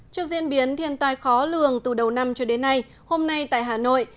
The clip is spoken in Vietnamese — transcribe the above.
trước diễn biến thiên tai khó lường từ đầu năm cho đến nay hôm nay tại hà nội